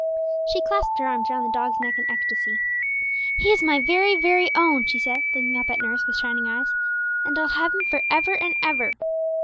She clasped her arms round the dog's neck in ecstasy. 'He is my very, very own,' she said, looking up at nurse with shining eyes; 'and I'll have him for ever and ever.'